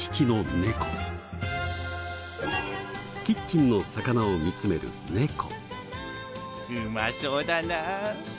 キッチンの魚を見つめる猫。